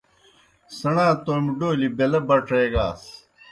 سیْݨا تومیْ ڈولیْ بیلہ بڇیگاس۔